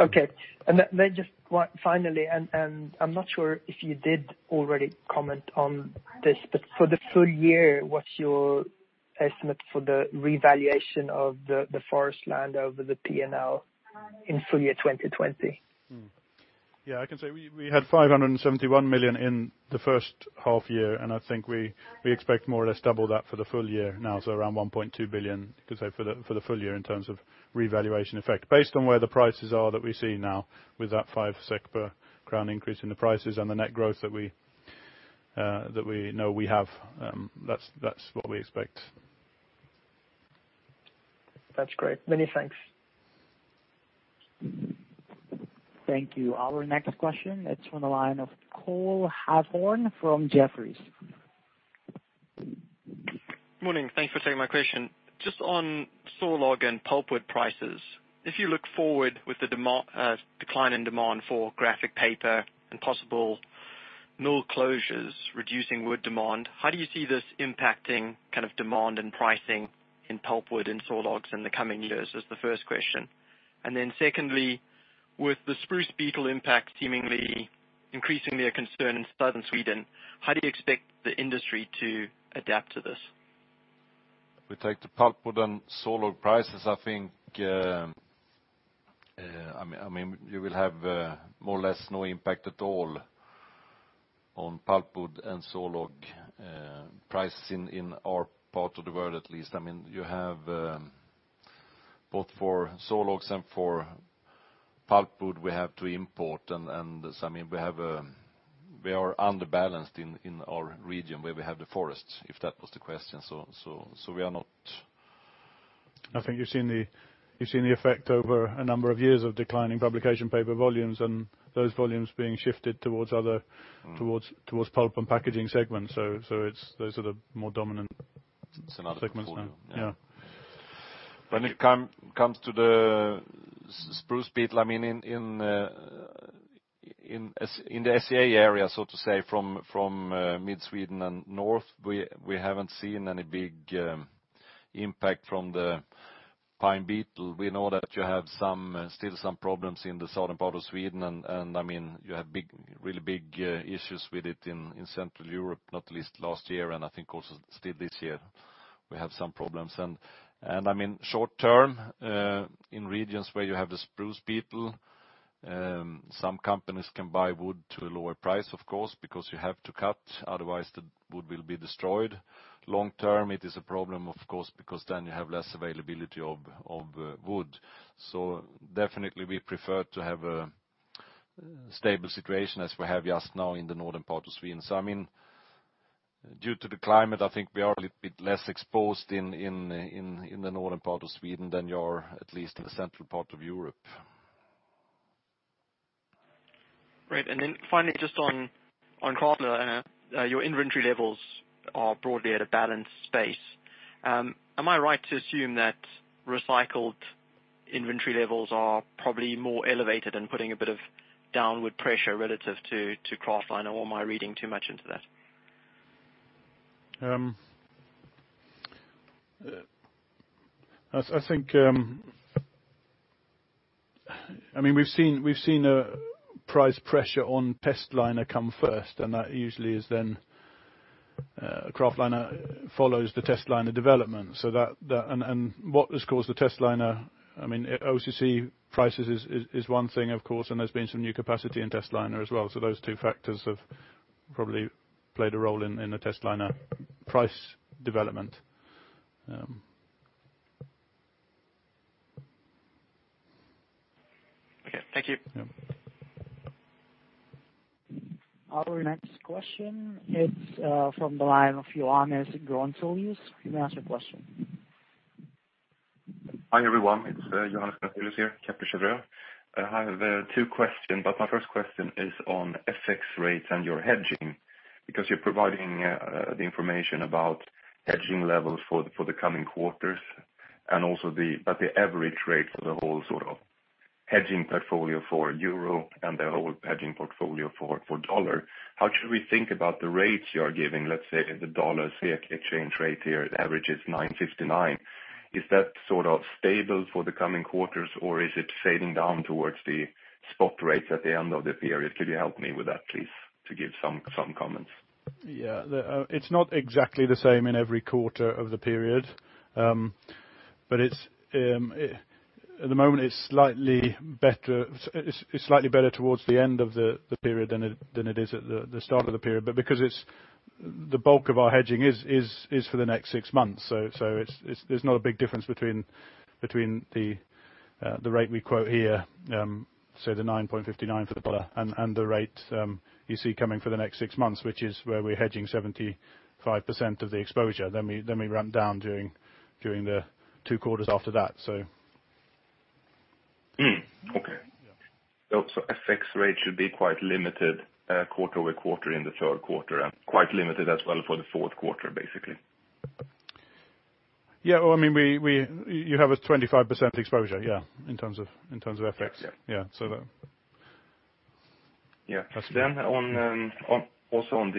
Okay. Just finally, and I am not sure if you did already comment on this, but for the full year, what is your estimate for the revaluation of the forest land over the P&L in full year 2020? Yeah, I can say we had 571 million in the first half year. I think we expect more or less double that for the full year now. Around 1.2 billion, you could say, for the full year in terms of revaluation effect. Based on where the prices are that we see now with that five SEK per ton increase in the prices and the net growth that we know we have, that's what we expect. That's great. Many thanks. Thank you. Our next question, it's from the line of Cole Hathorn from Jefferies. Morning. Thanks for taking my question. Just on sawlog and pulpwood prices. If you look forward with the decline in demand for graphic paper and possible mill closures reducing wood demand, how do you see this impacting demand and pricing in pulpwood and sawlogs in the coming years? That's the first question. Secondly, with the spruce beetle impact seemingly increasingly a concern in southern Sweden, how do you expect the industry to adapt to this? If we take the pulpwood and sawlog prices, I think you will have more or less no impact at all on pulpwood and sawlog prices in our part of the world, at least. Both for sawlogs and for pulpwood, we have to import, and we are under balanced in our region where we have the forests, if that was the question. I think you've seen the effect over a number of years of declining publication paper volumes, and those volumes being shifted towards pulp and packaging segments. Those are the more dominant segments now. When it comes to the spruce beetle, in the SCA area, so to say, from mid-Sweden and north, we haven't seen any big impact from the spruce beetle. We know that you have still some problems in the southern part of Sweden. You have really big issues with it in Central Europe, not least last year. I think also still this year we have some problems. Short term, in regions where you have the spruce beetle. Some companies can buy wood to a lower price, of course, because you have to cut, otherwise the wood will be destroyed. Long term it is a problem, of course, because then you have less availability of wood. Definitely we prefer to have a stable situation as we have just now in the northern part of Sweden. Due to the climate, I think we are a little bit less exposed in the northern part of Sweden than you are, at least in the central part of Europe. Great. Finally, just on kraftliner, your inventory levels are broadly at a balanced space. Am I right to assume that recycled inventory levels are probably more elevated and putting a bit of downward pressure relative to kraftliner, or am I reading too much into that? I think we've seen a price pressure on testliner come first, and that usually is then kraftliner follows the testliner development. What has caused the OCC prices is one thing, of course, and there's been some new capacity in testliner as well. Those two factors have probably played a role in the testliner price development. Okay. Thank you. Yeah. Our next question is from the line of Johannes Grunselius. You may ask your question. Hi, everyone. It's Johannes Grunselius here, Kepler Cheuvreux. I have two questions, but my first question is on FX rates and your hedging, because you're providing the information about hedging levels for the coming quarters, but the average rate for the whole sort of hedging portfolio for EUR and the whole hedging portfolio for USD. How should we think about the rates you are giving? Let's say the USD exchange rate here averages 9.59. Is that sort of stable for the coming quarters, or is it fading down towards the spot rates at the end of the period? Could you help me with that, please, to give some comments? It's not exactly the same in every quarter of the period. At the moment, it's slightly better towards the end of the period than it is at the start of the period, because the bulk of our hedging is for the next 6 months. There's not a big difference between the rate we quote here, say the 9.59 for the USD, and the rate you see coming for the next 6 months, which is where we're hedging 75% of the exposure. We ramp down during the two quarters after that. Okay. Yeah. FX rate should be quite limited quarter-over-quarter in the third quarter, and quite limited as well for the fourth quarter, basically. Yeah. You have a 25% exposure, yeah, in terms of FX. FX, yeah. Yeah. Yeah. Also on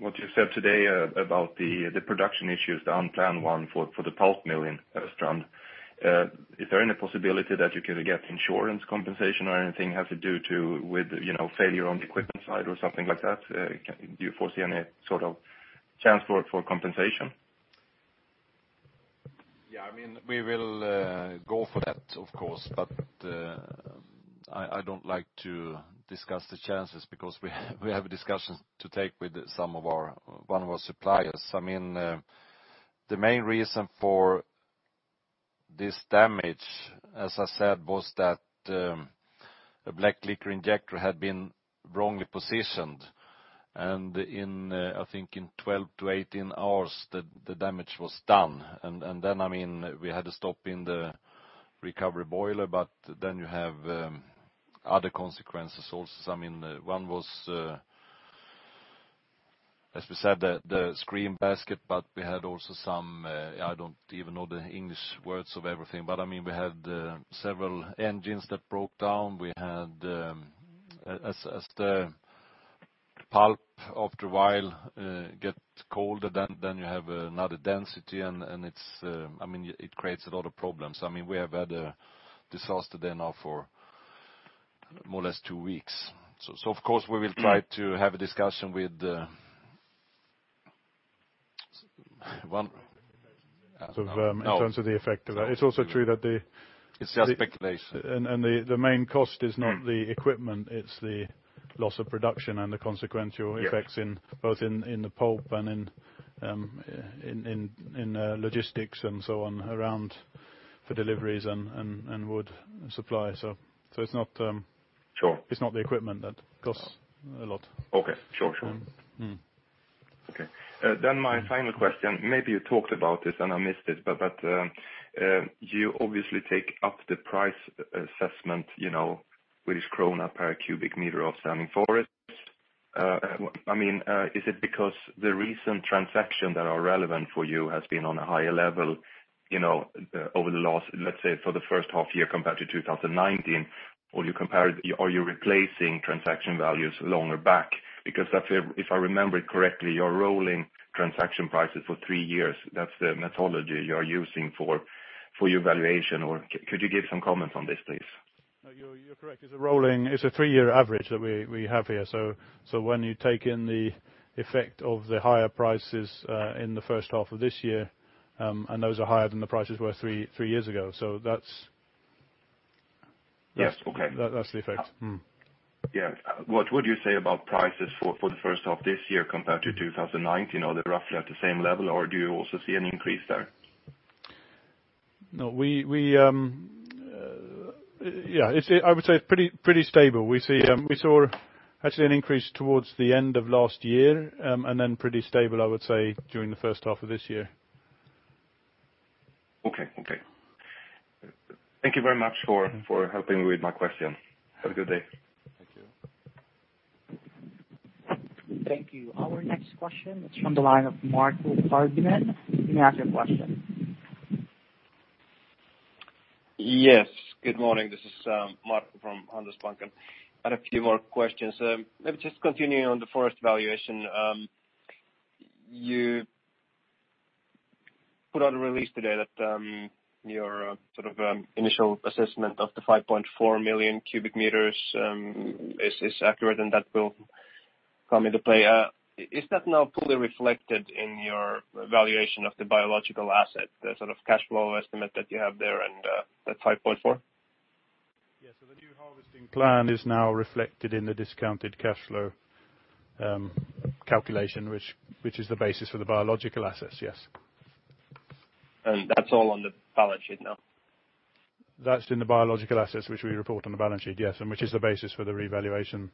what you said today about the production issues, the unplanned one for the pulp mill in Östrand. Is there any possibility that you can get insurance compensation or anything have to do with failure on the equipment side or something like that? Do you foresee any sort of chance for compensation? Yeah. We will go for that, of course. I don't like to discuss the chances because we have discussions to take with one of our suppliers. The main reason for this damage, as I said, was that a black liquor injector had been wrongly positioned, and in, I think 12 to 18 hours, the damage was done. We had to stop in the recovery boiler, but then you have other consequences also. One was, as we said, the screen basket, but we had also I don't even know the English words of everything, but we had several engines that broke down. As the pulp after a while gets colder, then you have another density, and it creates a lot of problems. We have had a disaster there now for more or less two weeks. Of course, we will try to have a discussion. In terms of the effect of that. It's also true that. It's just speculation. The main cost is not the equipment, it's the loss of production and the consequential effects both in the pulp and in logistics and so on, around for deliveries and wood supply. Sure It's not the equipment that costs a lot. Okay. Sure. Okay. My final question, maybe you talked about this and I missed it, but you obviously take up the price assessment, with krona per cubic meter of standing forest. Is it because the recent transactions that are relevant for you has been on a higher level over the last, let's say, for the first half year compared to 2019? You're replacing transaction values longer back? Because if I remember it correctly, you're rolling transaction prices for three years. That's the methodology you're using for your valuation. Could you give some comments on this, please? No, you're correct. It's a three-year average that we have here. When you take in the effect of the higher prices in the first half of this year, and those are higher than the prices were three years ago. Yes. Okay. That's the effect. Mm-hmm. Yeah. What would you say about prices for the first half this year compared to 2019? Are they roughly at the same level, or do you also see an increase there? No. I would say pretty stable. We saw actually an increase towards the end of last year, and then pretty stable, I would say, during the first half of this year. Okay. Thank you very much for helping me with my question. Have a good day. Thank you. Thank you. Our next question is from the line of Marco Hardiman. You may ask your question. Yes. Good morning. This is Marco from Handelsbanken. I had a few more questions. Maybe just continuing on the forest valuation. You put out a release today that your initial assessment of the 5.4 million cubic meters is accurate, that will come into play. Is that now fully reflected in your valuation of the biological asset, the sort of cash flow estimate that you have there and that 5.4? The new harvesting plan is now reflected in the discounted cash flow calculation, which is the basis for the biological assets. Yes. That's all on the balance sheet now? That's in the biological assets which we report on the balance sheet, yes, and which is the basis for the revaluation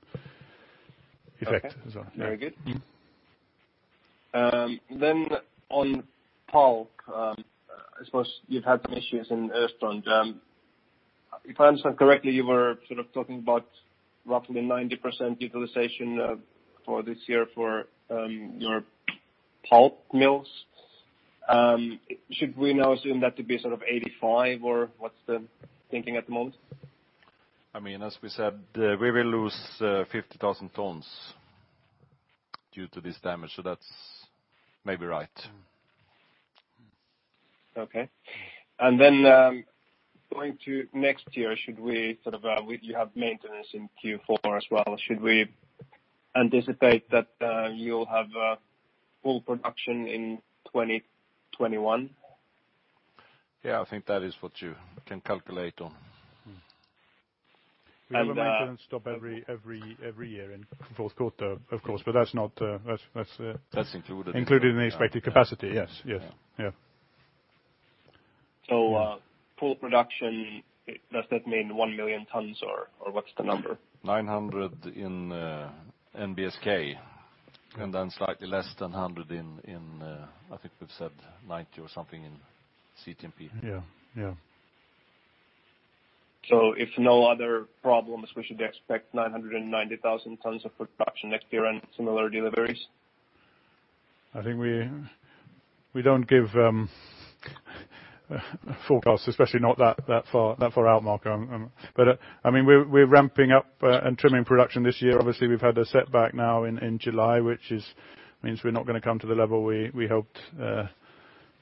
effect as well. Okay. Very good. On pulp, I suppose you've had some issues in Östrand. If I understand correctly, you were sort of talking about roughly 90% utilization for this year for your pulp mills. Should we now assume that to be sort of 85%, or what's the thinking at the moment? As we said, we will lose 50,000 tons due to this damage, so that's maybe right. Okay. Going to next year, you have maintenance in Q4 as well. Should we anticipate that you'll have full production in 2021? Yeah, I think that is what you can calculate on. Mm-hmm. We have a maintenance stop every year in the fourth quarter, of course, but that's. That's included. Included in the expected capacity. Yes. Yeah. Full production, does that mean 1 million tons or what's the number? 900 in NBSK, and then slightly less than 100 in, I think we've said 90 or something in CTMP. Yeah. If no other problems, we should expect 990,000 tons of production next year and similar deliveries? I think we don't give forecasts, especially not that far out, Marco. We're ramping up and trimming production this year. Obviously, we've had a setback now in July, which means we're not going to come to the level we hoped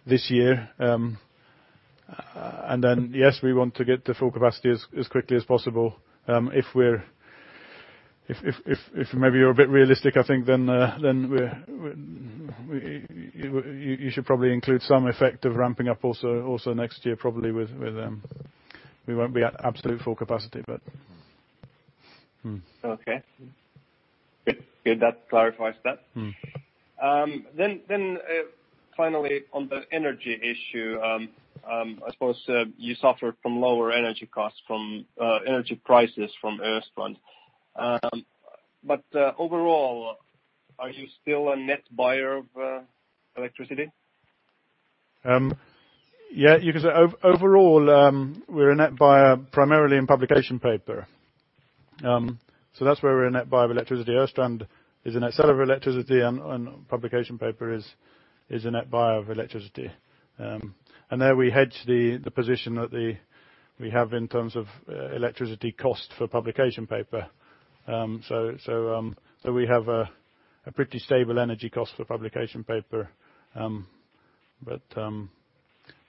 this year. Yes, we want to get to full capacity as quickly as possible. If maybe you're a bit realistic, I think you should probably include some effect of ramping up also next year, probably. We won't be at absolute full capacity, but Okay. Good. That clarifies that. Finally, on the energy issue, I suppose you suffer from lower energy costs from energy prices from Östrand. Overall, are you still a net buyer of electricity? Yeah, you could say overall, we're a net buyer primarily in publication paper. That's where we're a net buyer of electricity. Östrand is a net seller of electricity, and publication paper is a net buyer of electricity. There we hedge the position that we have in terms of electricity cost for publication paper. We have a pretty stable energy cost for publication paper.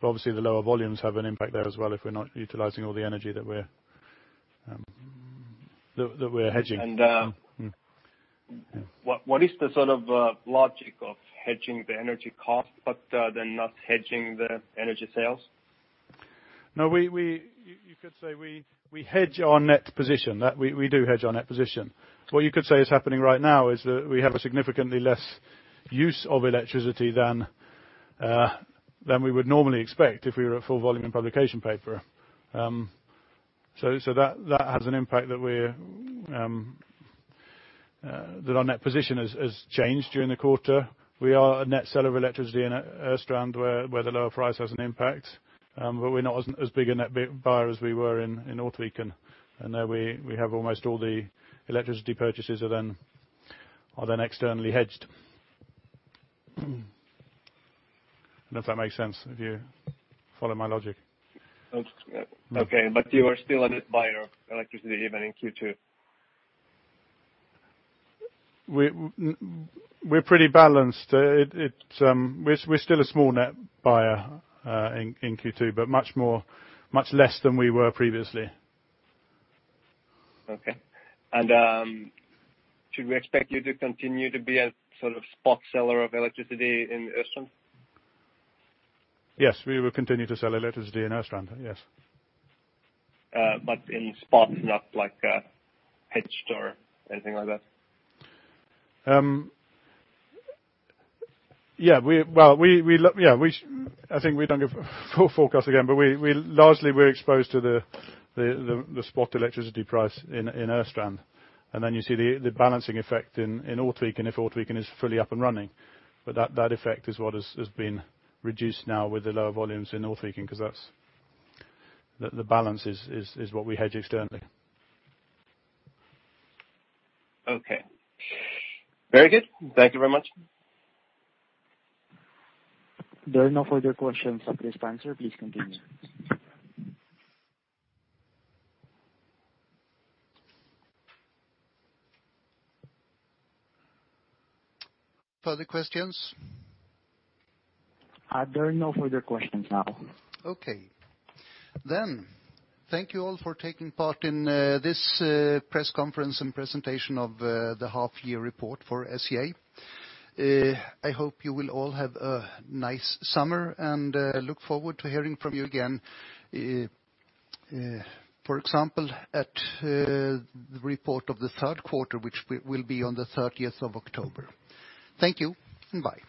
Obviously the lower volumes have an impact there as well if we're not utilizing all the energy that we're hedging. What is the sort of logic of hedging the energy cost but then not hedging the energy sales? No, you could say we hedge our net position. We do hedge our net position. What you could say is happening right now is that we have a significantly less use of electricity than we would normally expect if we were at full volume in publication paper. That has an impact that our net position has changed during the quarter. We are a net seller of electricity in Östrand, where the lower price has an impact. We're not as big a net buyer as we were in Ortviken. There we have almost all the electricity purchases are then externally hedged. I don't know if that makes sense. If you follow my logic. Okay. You are still a net buyer of electricity even in Q2? We're pretty balanced. We're still a small net buyer in Q2, but much less than we were previously. Okay. Should we expect you to continue to be a sort of spot seller of electricity in Östrand? Yes. We will continue to sell electricity in Östrand. Yes. In spot, not like hedged or anything like that? Yeah. I think we don't give full forecast again, but largely, we're exposed to the spot electricity price in Östrand. Then you see the balancing effect in Ortviken if Ortviken is fully up and running. That effect is what has been reduced now with the lower volumes in Ortviken because the balance is what we hedge externally. Okay. Very good. Thank you very much. There are no further questions at this answer. Please continue. Further questions? There are no further questions now. Okay. Thank you all for taking part in this press conference and presentation of the half year report for SCA. I hope you will all have a nice summer, and I look forward to hearing from you again. For example, at the report of the third quarter, which will be on the 30th of October. Thank you, and bye.